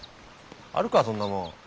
あるかそんなもん。